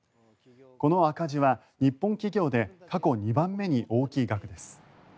この赤字は日本企業で過去２番目に大きい額です。